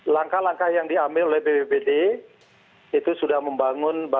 langkah langkah yang diambil oleh bpbd itu sudah membangun